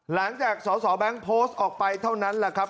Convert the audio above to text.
หลังจากสสแบงค์โพสต์ออกไปเท่านั้นแหละครับ